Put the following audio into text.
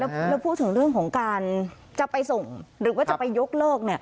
แล้วพูดถึงเรื่องของการจะไปส่งหรือว่าจะไปยกเลิก